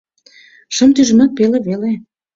— Шым тӱжемат пеле веле.